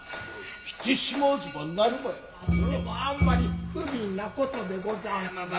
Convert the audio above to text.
それもあんまり不びんな事でござんすなァ。